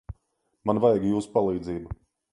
Man vajag jūsu palīdzību.